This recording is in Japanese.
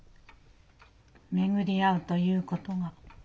巡り会うということが。